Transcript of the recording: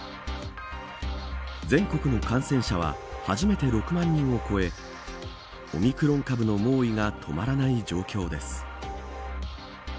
全国の感染者は初めて６万人を超えオミクロン株の猛威が止まらない状況です。